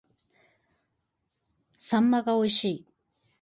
秋刀魚が美味しい